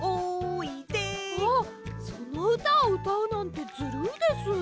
そのうたをうたうなんてずるいです！